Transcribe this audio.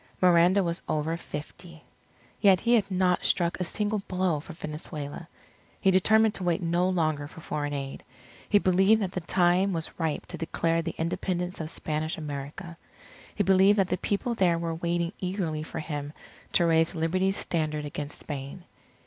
Miranda was over fifty. Yet he had not struck a single blow for Venezuela. He determined to wait no longer for foreign aid. He believed that the time was ripe to declare the Independence of Spanish America. He believed that the people there were waiting eagerly for him to raise Liberty's standard against Spain.